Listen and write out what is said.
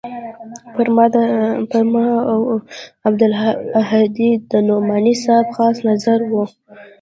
پر ما او عبدالهادي د نعماني صاحب خاص نظر و.